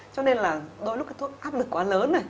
cho nên là đôi lúc cái áp lực quá lớn này